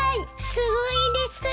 すごいです。